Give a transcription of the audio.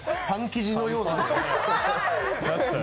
パン生地のような。